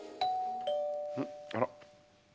あら？